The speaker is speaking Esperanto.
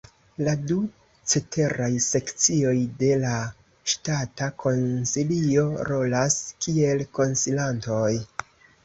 La du ceteraj sekcioj de la Ŝtata Konsilio rolas kiel konsilantoj.